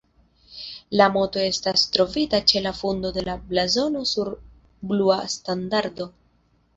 La moto estas trovita ĉe la fundo de la blazono sur blua standardo.